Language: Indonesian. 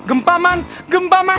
umi gempa umi